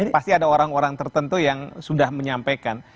pasti ada orang orang tertentu yang sudah menyampaikan